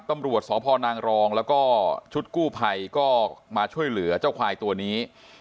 ตำรวจสพนางรองแล้วก็ชุดกู้ภัยก็มาช่วยเหลือเจ้าควายตัวนี้